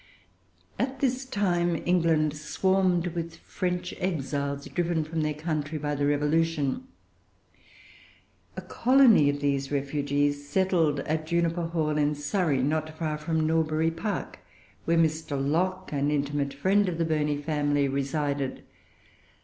At this time England swarmed with French exiles, driven from their country by the Revolution. A colony of these refugees settled at Juniper Hall, in Surrey, not far from Norbury Park, where Mr. Lock, an intimate friend of the Burney family, resided.